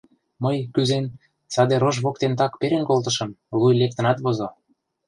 Мый, кӱзен, саде рож воктен так перен колтышым — луй лектынат возо.